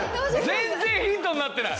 全然ヒントになってない！